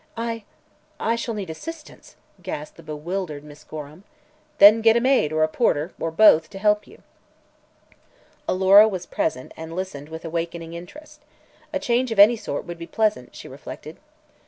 "I I shall need assistance," gasped the bewildered Miss Gorham. "Then get a maid or a porter or both to help you." Alora was present and listened with awakening interest. A change of any sort would be pleasant, she reflected.